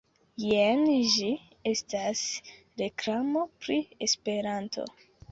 Jen ĝi, estas reklamo pri Esperanto